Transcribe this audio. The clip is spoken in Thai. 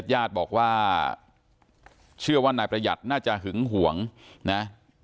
ญาติบอกว่าเชื่อว่านายประหยัดน่าจะหึงห่วงนะ